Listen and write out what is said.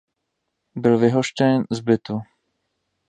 Byl vyhoštěn z bytu.